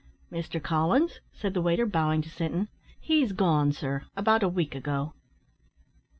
"Mr Collins?" said the waiter, bowing to Sinton "he's gone, sir, about a week ago."